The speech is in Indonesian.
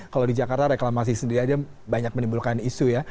kalau di jakarta reklamasi sendiri aja banyak menimbulkan isu ya